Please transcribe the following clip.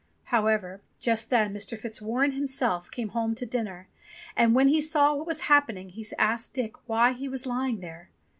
However, just then Mr. Fitzwarren himself came home to dinner, and when he saw what was happen ing, he asked Dick why he was lying there.